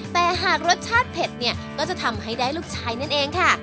แต่หากรสชาติเผ็ดเนี่ยก็จะทำให้ได้ลูกชายนั่นเองค่ะ